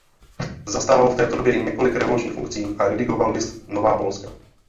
Zastával v této době i několik revolučních funkcí a redigoval list "Nowa Polska".